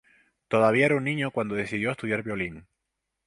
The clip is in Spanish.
Todavía era un niño cuando decidió a estudiar violín.